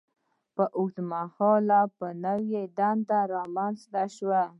په اوږد مهال کې به نوې دندې رامینځته شي.